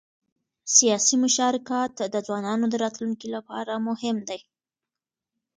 سیاسي مشارکت د ځوانانو د راتلونکي لپاره مهم دی